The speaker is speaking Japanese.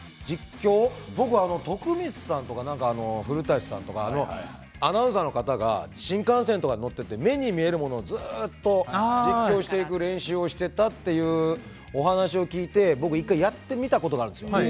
徳光さんとか古舘さんとかアナウンサーの方が新幹線に乗っていて目に見えるものをずっと実況していく練習をしていたというお話を聞いて１回やってみたことがあるんです。